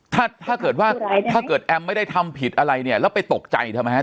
ถ้าถ้าเกิดว่าถ้าเกิดแอมไม่ได้ทำผิดอะไรเนี่ยแล้วไปตกใจทำไมฮะ